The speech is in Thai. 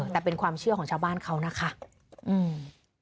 แต่เป็นความเชื่อของชาวบ้านเขานะคะอืม